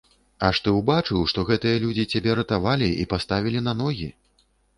Аж ты ўбачыў, што гэтыя людзі цябе ратавалі і паставілі на ногі?